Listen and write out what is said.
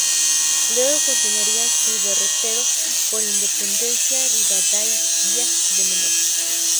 Luego continuaría su derrotero por Independiente Rivadavia de Mendoza.